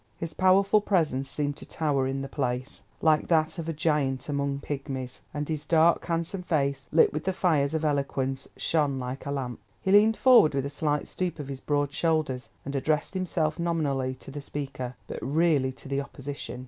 His powerful presence seemed to tower in the place, like that of a giant among pigmies, and his dark, handsome face, lit with the fires of eloquence, shone like a lamp. He leaned forward with a slight stoop of his broad shoulders, and addressed himself, nominally to the Speaker, but really to the Opposition.